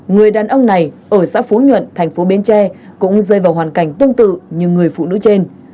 người đàn ông này ở xã phú nhuận thành phố bến tre cũng rơi vào hoàn cảnh tương tự như người phụ nữ trên